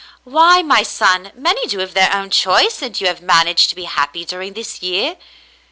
"Why, my son, many do, of their own choice, and you have man aged to be happy during this year."